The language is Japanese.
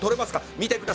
見てください。